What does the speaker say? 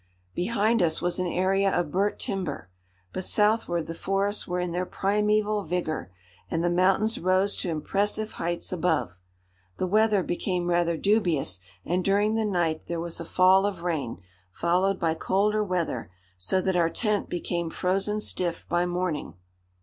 Behind us was an area of burnt timber, but southward the forests were in their primeval vigor and the mountains rose to impressive heights above. The weather became rather dubious, and during the night there was a fall of rain, followed by colder weather, so that our tent became frozen stiff by morning.